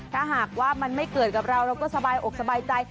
ถ้าหากว่ามันไม่เกิดกับเราเราก็สบายอกสบายใจ